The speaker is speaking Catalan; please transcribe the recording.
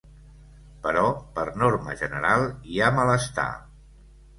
Però per norma general hi ha malestar.